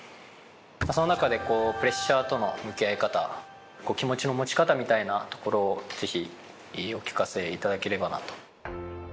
その中でプレッシャーとの向き合い方気持ちの持ち方みたいなところをぜひお聞かせ頂ければなと。